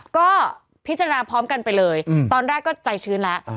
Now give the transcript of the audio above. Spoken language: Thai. ก็พิจารณาพร้อมกันไปเลยตอนแรกก็ใจชื้นแล้ว